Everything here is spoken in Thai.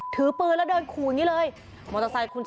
ถือปืนแล้วเดินคุยกับแอพมีโรป